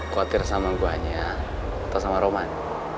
khawatir sama gue aja atau sama roman